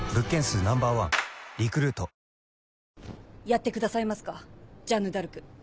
やってくださいますかジャンヌ・ダルク。